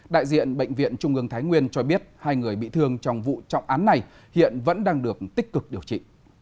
đại diện bệnh viện trung ương thái nguyên cho biết hai người bị thương trong vụ trọng án này hiện vẫn đang được tích cực điều trị